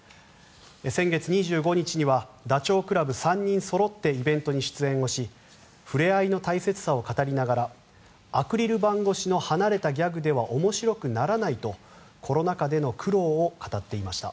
先月２５日にはダチョウ倶楽部３人そろってイベントに出演し触れ合いの大切さを語りながらアクリル板越しの離れたギャグでは面白くならないとコロナ禍での苦労を語っていました。